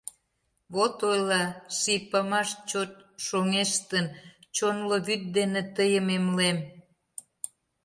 Вот ойла ший памаш, чот шоҥештын: «Чонло вӱд дене тыйым эмлем».